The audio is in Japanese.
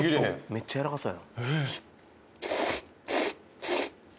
めっちゃ柔らかそうやなえっ？